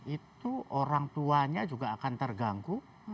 itu orang tuanya juga akan terganggu